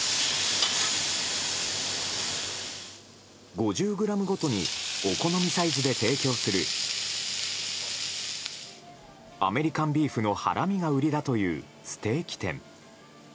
５０ｇごとにお好みサイズで提供するアメリカンビーフのハラミが売りだというステーキ店。